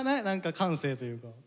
何か感性というか。